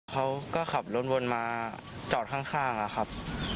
เขาก็ขับรถวนมาจอดข้างอะครับ